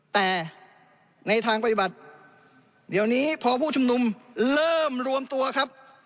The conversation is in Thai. แต่ในทางปฏิบัติเดี๋ยวนี้พอผู้ชุมนุมเริ่มรวมตัวครับ